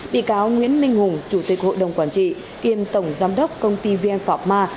bị cáo nguyễn minh hùng chủ tịch hội đồng quản trị kiêm tổng giám đốc công ty vn phạc ma